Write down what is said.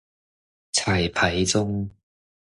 彩排中